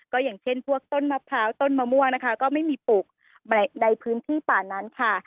ก็อย่างเช่นพวกต้นมะพร้าวต้นมะม่วงนะคะก็ไม่มีปลูกในพื้นที่ป่านั้นค่ะ